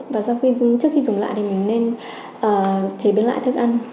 và sau khi trước khi dùng lại thì mình nên chế biến lại thức ăn